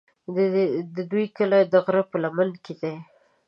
د دوی کلی د غره په لمن کې دی.